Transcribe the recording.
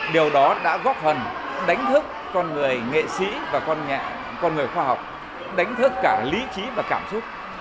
điều đó đã góp phần đánh thức con người nghệ sĩ và con người khoa học đánh thức cả lý trí và cảm xúc